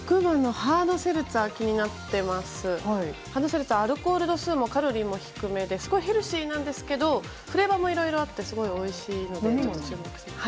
ハードセルツァーはアルコール度数もカロリーも低めですごいヘルシーなんですけどフレーバーもいろいろあってすごいおいしいので注目してます。